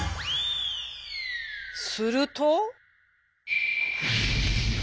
すると。